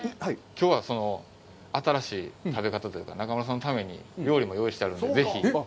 きょうはその新しい食べ方というか、中丸さんのために料理も用意してあるので、ぜひ。